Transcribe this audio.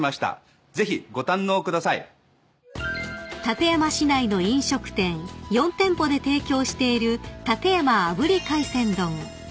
［館山市内の飲食店４店舗で提供している館山炙り海鮮丼］